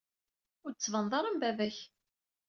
Ur d-tettbaned ara am baba-k.